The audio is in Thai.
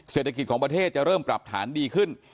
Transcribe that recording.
เศรษฐกิจของประเทศจะเริ่มปรับฐานดีขึ้น